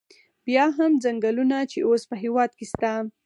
بیا هم څنګلونه چې اوس په هېواد کې شته.